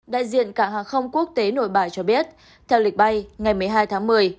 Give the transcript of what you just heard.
đại diện cảng hàng không quốc tế nội bài cho biết theo lịch bay ngày một mươi hai tháng một mươi